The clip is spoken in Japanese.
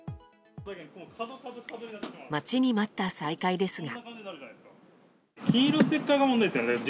待ちに待った再開ですが。